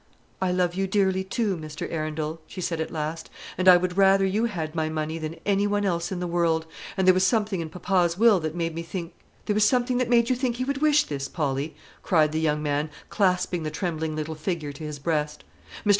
"I love you dearly too, Mr. Arundel," she said at last; "and I would rather you had my money than any one else in the world; and there was something in papa's will that made me think " "There was something that made you think he would wish this, Polly," cried the young man, clasping the trembling little figure to his breast. "Mr.